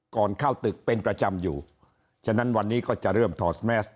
ก่อนเข้าตึกเป็นประจำอยู่ฉะนั้นวันนี้ก็จะเริ่มถอดแมส